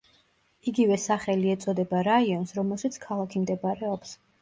იგივე სახელი ეწოდება რაიონს, რომელშიც ქალაქი მდებარეობს.